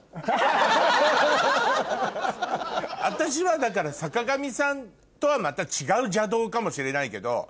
私はだから坂上さんとはまた違う邪道かもしれないけど。